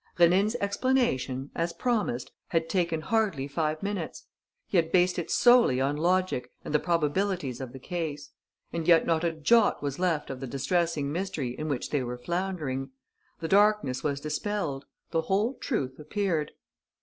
Rénine's explanation, as promised, had taken hardly five minutes. He had based it solely on logic and the probabilities of the case. And yet not a jot was left of the distressing mystery in which they were floundering. The darkness was dispelled. The whole truth appeared.